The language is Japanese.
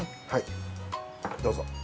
はいどうぞ。